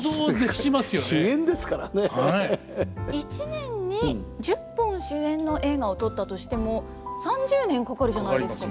１年に１０本主演の映画を撮ったとしても３０年かかるじゃないですか。